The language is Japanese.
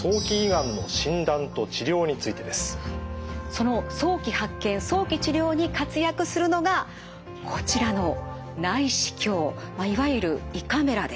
その早期発見早期治療に活躍するのがこちらの内視鏡いわゆる胃カメラです。